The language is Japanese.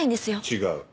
違う。